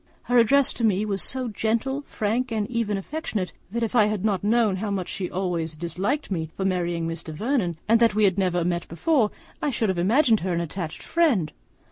Her address to me was so gentle, frank, and even affectionate, that, if I had not known how much she has always disliked me for marrying Mr. Vernon, and that we had never met before, I should have imagined her an attached friend.